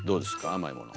甘いもの。